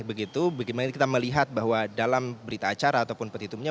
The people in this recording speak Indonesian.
bagaimana kita melihat bahwa dalam berita acara atau petitumnya